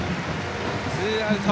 ツーアウト。